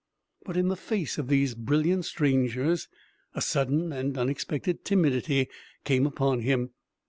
But in the face of these brilliant strangers a sudden and unexpected timidity came upon him.